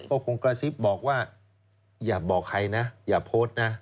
ก็คงกระซิบบอกว่าอย่าบอกใครนะอย่าโพสต์นะ